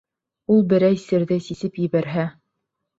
Ул берәй серҙе сисеп ебәрһә...